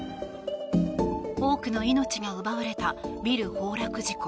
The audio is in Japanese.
多くの命が奪われたビル崩落事故。